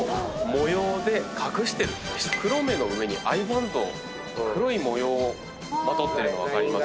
黒目の上にアイバンド黒い模様をまとってるの分かります？